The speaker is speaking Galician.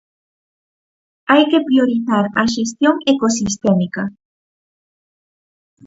Hai que priorizar a xestión ecosistémica.